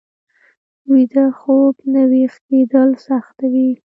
ویده خوب نه ويښ کېدل سخته وي